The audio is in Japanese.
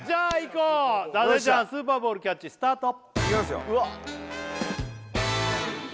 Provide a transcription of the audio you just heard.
こう伊達ちゃんスーパーボールキャッチスタートいきますようわっ！